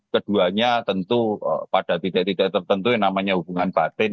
keduanya tentu pada titik titik tertentu yang namanya hubungan batin